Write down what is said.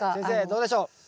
先生どうでしょう？